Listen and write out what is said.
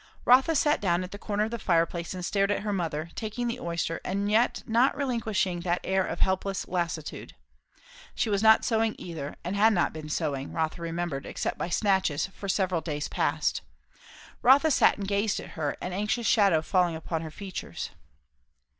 Rotha sat down at the corner of the fireplace and stared at her mother; taking the oyster, and yet not relinquishing that air of helpless lassitude. She was not sewing either; and had not been sewing, Rotha remembered, except by snatches, for several days past. Rotha sat and gazed at her, an anxious shadow falling upon her features.